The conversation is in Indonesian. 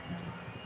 pak maria dari cnn